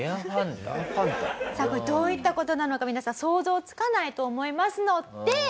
さあこれどういった事なのか皆さん想像つかないと思いますので。